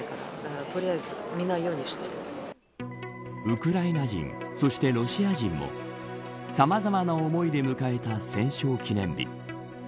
ウクライナ人そしてロシア人もさまざまな思いで迎えた戦勝記念日。